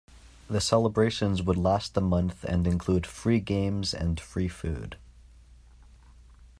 The celebrations would last a month and include free games and free food.